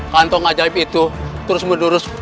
kantong ajaib itu terus menerus